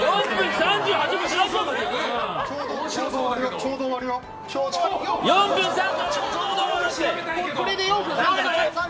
ちょうど終わるよ。